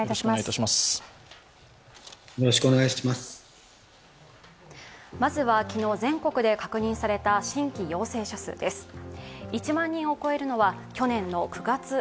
まずは昨日、全国で確認された新規陽性者数です。